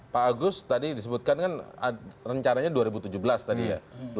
pak agus tadi disebutkan kan rencananya dua ribu tujuh belas tadi ya